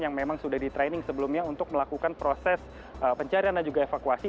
yang memang sudah di training sebelumnya untuk melakukan proses pencarian dan juga evakuasi